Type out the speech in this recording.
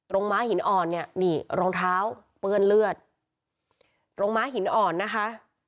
ม้าหินอ่อนเนี่ยนี่รองเท้าเปื้อนเลือดโรงม้าหินอ่อนนะคะ